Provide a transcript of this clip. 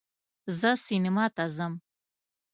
زه سینما ته ځم